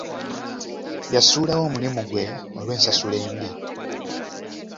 Yasuulawo omulimu gwe olw’ensasula embi.